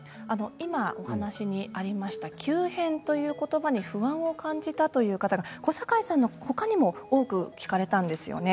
今お話にありました急変ということばに不安を感じたという方は小堺さんのほかにも多く聞かれたんですよね。